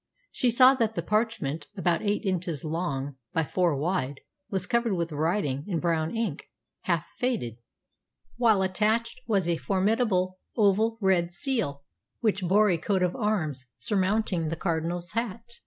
She saw that the parchment, about eight inches long by four wide, was covered with writing in brown ink, half faded, while attached was a formidable oval red seal which bore a coat of arms surmounting the Cardinal's hat.